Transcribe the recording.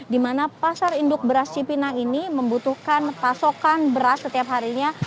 di mana pasar induk beras cipinang ini membutuhkan pasokan beras setiap harinya